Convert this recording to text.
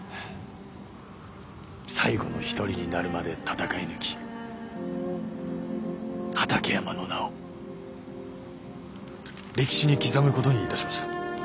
最後の一人になるまで戦い抜き畠山の名を歴史に刻むことにいたしました。